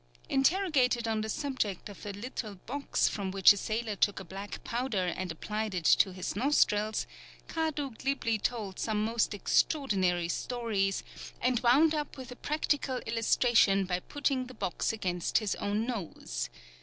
Interrogated on the subject of a little box from which a sailor took a black powder and applied it to his nostrils, Kadu glibly told some most extraordinary stories, and wound up with a practical illustration by putting the box against his own nose.